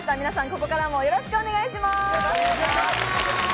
皆さん、ここからもよろしくお願いします。